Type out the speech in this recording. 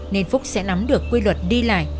nên phúc sẽ nắm được quy luật đi lại